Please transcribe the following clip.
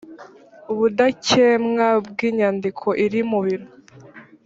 ubudakemwa bw’inyandiko iri mu biro